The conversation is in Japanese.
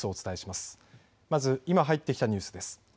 まず、今入ってきたニュースです